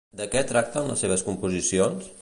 De què tracten les seves composicions?